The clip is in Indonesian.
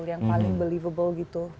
yang paling believable gitu